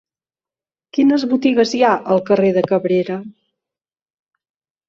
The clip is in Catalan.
Quines botigues hi ha al carrer de Cabrera?